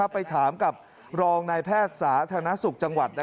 ไปถามกับรองนายแพทย์สาธารณสุขจังหวัด